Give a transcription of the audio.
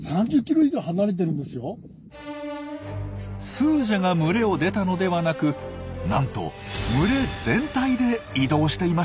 スージャが群れを出たのではなくなんと群れ全体で移動していました。